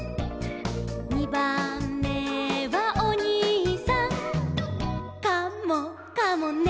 「にばんめはおにいさん」「カモかもね」